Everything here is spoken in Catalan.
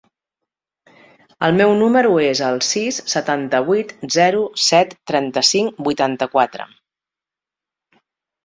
El meu número es el sis, setanta-vuit, zero, set, trenta-cinc, vuitanta-quatre.